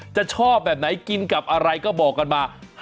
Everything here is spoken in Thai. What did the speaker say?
ชอบแบบไหนกินกับอะไรก็บอกกันมา